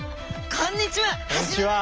こんにちは。